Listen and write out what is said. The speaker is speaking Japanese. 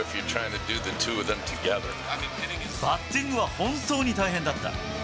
バッティングは本当に大変だった。